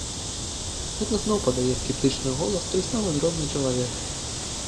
Гэта зноў падае скептычны голас той самы дробны чалавек.